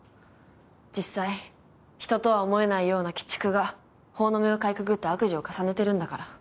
実際人とは思えないような鬼畜が法の目をかいくぐって悪事を重ねてるんだから。